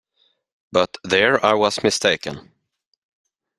But there I was mistaken.